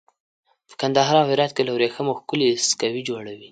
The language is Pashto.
په کندهار او هرات کې له وریښمو ښکلي سکوي جوړوي.